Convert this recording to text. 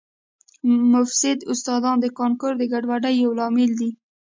مفسد استادان د کانکور د ګډوډۍ یو لامل دي